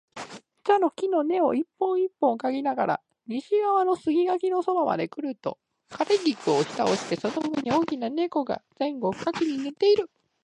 茶の木の根を一本一本嗅ぎながら、西側の杉垣のそばまでくると、枯菊を押し倒してその上に大きな猫が前後不覚に寝ている